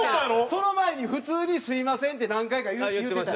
その前に普通に「すみません」って何回か言うてたよ。